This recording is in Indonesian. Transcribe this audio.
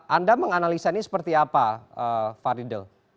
anda menganalisa ini seperti apa faridel